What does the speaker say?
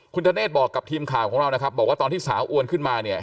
คุณธเนธบอกกับทีมข่าวของเรานะครับบอกว่าตอนที่สาวอวนขึ้นมาเนี่ย